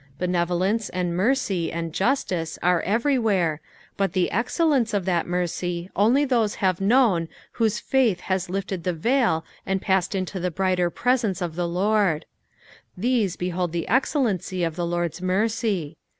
Benevolence, and mercy, and juatice, are everywhere, but the «zcel1ence of that merry only those have known whose faith has lifted the veil and passed into the brighter presence of the Lord ; these behold the excelleacv of tne Lord's mercy.